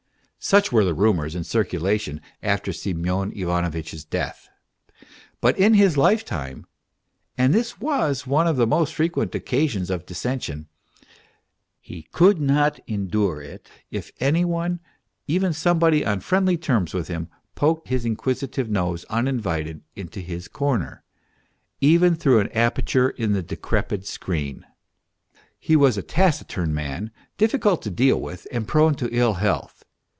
Such were the rumours in circulation after Semyon Ivanovitch's death. But in his lifetime (and this was one of the most frequent occasions of dissension) he could not endure it if any one, even somebody on friendly terms with him, poked his inquisitive nose uninvited into his corner, even through an aperture in the decrepit screen. He was a taciturn man difficult to deal with and prone to ill health.